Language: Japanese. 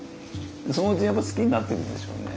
そのうちにやっぱ好きになってくんでしょうね。